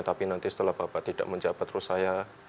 tapi nanti setelah bapak tidak menjabat terus saya